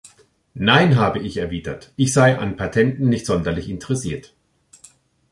Nein, habe ich erwidert, ich sei an Patenten nicht sonderlich interessiert.